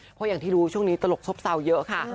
เพราะอย่างที่รู้ช่วงนี้ตลกซบเซาเยอะค่ะ